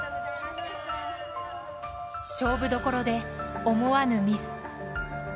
勝負どころで思わぬミス。